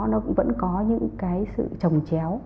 nó cũng vẫn có những cái sự trồng chéo